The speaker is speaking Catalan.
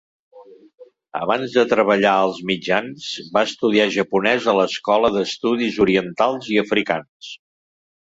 Abans de treballar als mitjans, va estudiar japonès a l'Escola d'Estudis Orientals i Africans.